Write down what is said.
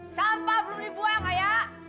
sampah belum dibuang ayah